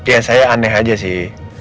ya saya aneh aja sih